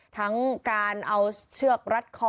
ทั้งการเอาเชือกรัดคอ